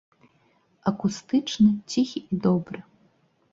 Акустычны, ціхі і добры.